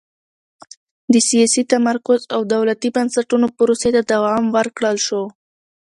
د سیاسي تمرکز او دولتي بنسټونو پروسې ته دوام ورکړل شوه.